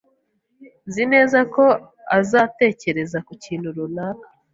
Nzi neza ko azatekereza ku kintu runaka.